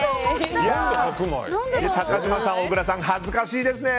高嶋さん、小倉さん恥ずかしいですね。